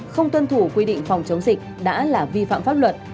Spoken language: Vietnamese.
không tuân thủ quy định phòng chống dịch đã là vi phạm pháp luật